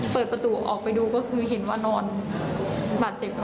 เปิดประตูออกไปดูก็คือเห็นว่านอนบาดเจ็บ